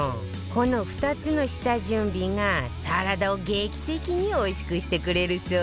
この２つの下準備がサラダを劇的においしくしてくれるそうよ